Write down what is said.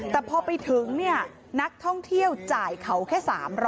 แต่พอไปถึงนักท่องเที่ยวจ่ายเขาแค่๓๐๐